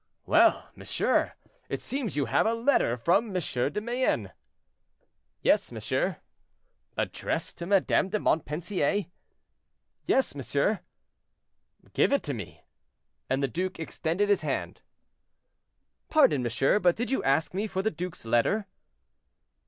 "Well, monsieur, it seems you have a letter from M. de Mayenne." "Yes, monsieur." "Addressed to Madame de Montpensier?" "Yes, monsieur." "Give it to me," and the duke extended his hand. "Pardon, monsieur, but did you ask me for the duke's letter?"